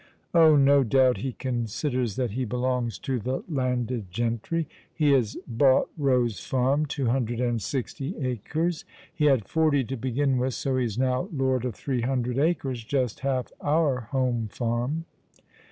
"Oh, no doubt he considers that ho belongs to the landed gentry. He has bought Eowe's farm, two hundred and sixty acres. He had forty to begin with, so he is now lord of three hundred acres, just half our home farm."